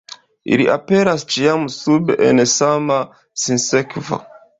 Ili aperas ĉiam sube en sama sinsekvo.